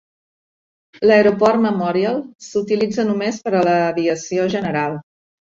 L'aeroport Memorial s'utilitza només per a l'aviació general.